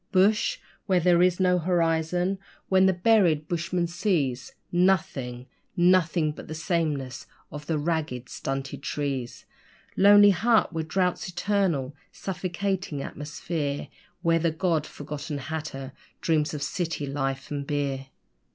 Bush! where there is no horizon! where the buried bushman sees Nothing Nothing! but the sameness of the ragged, stunted trees! Lonely hut where drought's eternal, suffocating atmosphere Where the God forgotten hatter dreams of city life and beer.